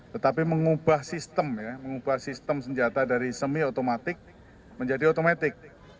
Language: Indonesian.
tetapi mengubah sistem ya mengubah sistem senjata dari semi otomatik menjadi otomatik